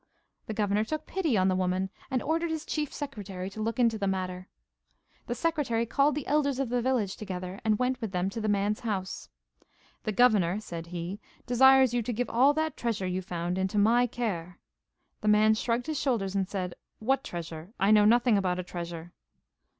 The governor took pity on the woman, and ordered his chief secretary to look into the matter. The secretary called the elders of the village together, and went with them to the man's house. 'The governor,' said he, 'desires you to give all that treasure you found into my care.' The man shrugged his shoulders and said: 'What treasure? I know nothing about a treasure.